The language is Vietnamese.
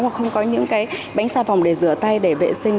hoặc không có những cái bánh xà phòng để rửa tay để vệ sinh